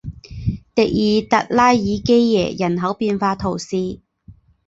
迪尔达拉尔基耶人口变化图示